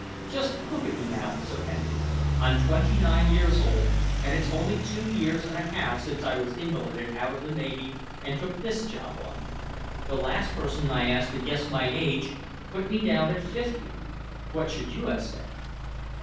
"Just look at me now, Sir Henry. I'm twenty nine years old, and it's only two years and a half since I was invalided out of the navy and took this job on. The last person I asked to guess my age put me down at fifty. What should you have said?"